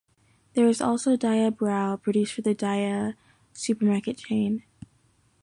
There is also Diabrau, produced for the Dia supermarket chain.